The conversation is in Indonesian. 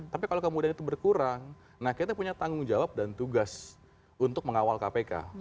tapi kalau kemudian itu berkurang nah kita punya tanggung jawab dan tugas untuk mengawal kpk